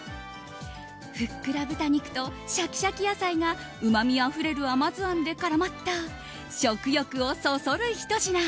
ふっくら豚肉とシャキシャキ野菜がうまみあふれる甘酢あんで絡まった、食欲をそそるひと品。